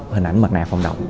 hình ảnh mặt nạp phòng động